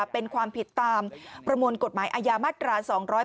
เป็นความผิดตามประมวลกฎหมายอาญามาตรา๒๗